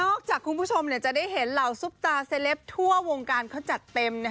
คุณผู้ชมจะได้เห็นเหล่าซุปตาเซลปทั่ววงการเขาจัดเต็ม